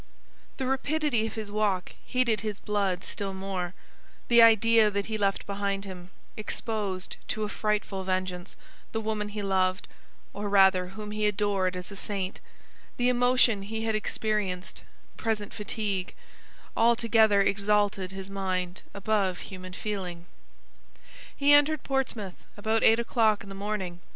The rapidity of his walk heated his blood still more; the idea that he left behind him, exposed to a frightful vengeance, the woman he loved, or rather whom he adored as a saint, the emotion he had experienced, present fatigue—all together exalted his mind above human feeling. He entered Portsmouth about eight o'clock in the morning.